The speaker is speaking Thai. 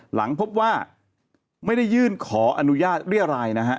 หลังพบว่าไม่ได้ยื่นขออนุญาตเรียรายนะฮะ